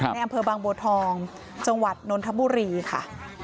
ในอำเภอบางบัวทองจังหวัดนนทบุรีค่ะ